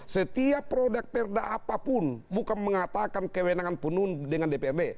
setiap produk perda apapun bukan mengatakan kewenangan penuh dengan dprd